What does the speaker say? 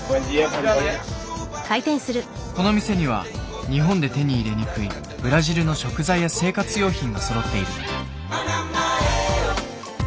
この店には日本で手に入れにくいブラジルの食材や生活用品がそろっている。